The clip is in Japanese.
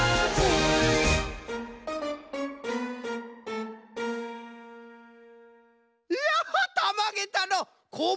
いやたまげたのう！